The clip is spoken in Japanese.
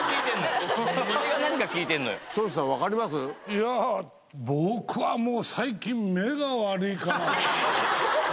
いや僕はもう。